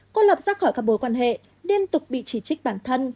cô lập ra khỏi các mối quan hệ liên tục bị chỉ trích bản thân